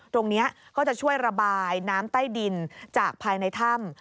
ตรงนี้ก็จะช่วยระบายน้ำใต้ดินจากภายในถ้ำ